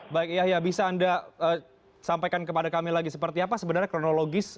baik yahya bisa anda sampaikan kepada kami lagi seperti apa sebenarnya kronologis